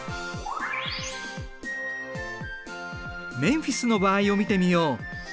メンフィスの場合を見てみよう。